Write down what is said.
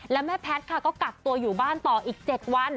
แล้วแม่แพทย์ค่ะก็กักตัวอยู่บ้านต่ออีก๗วัน